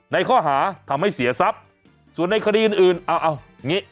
ในข้อหาทำให้เสียทรัพย์ส่วนในคดีอื่นอื่นเอางี้